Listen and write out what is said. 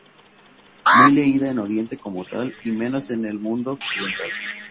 Muy leída en Oriente como tal, y menos en el mundo occidental.